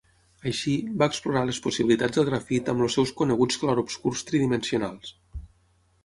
Així, va explorar les possibilitats del grafit amb els seus coneguts clarobscurs tridimensionals.